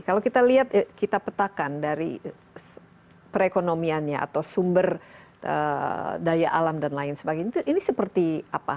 kalau kita lihat kita petakan dari perekonomiannya atau sumber daya alam dan lain sebagainya ini seperti apa